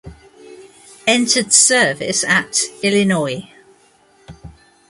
Entered service at: Illinois.